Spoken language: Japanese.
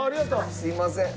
すいません。